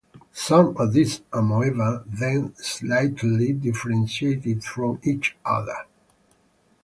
Some of these amoeba then slightly differentiate from each other.